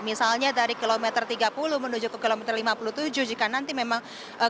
misalnya dari kilometer tiga puluh menuju ke kilometer lima puluh tujuh jika nanti memang